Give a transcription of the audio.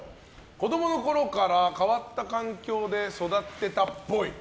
子供のころから変わった環境で育ってたっぽい。